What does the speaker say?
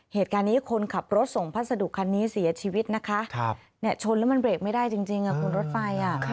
เหตุการณ์นี้คนขับรถส่งพัสดุคันนี้เสียชีวิตนะคะชนแล้วมันเบรกไม่ได้จริงคุณรถไฟ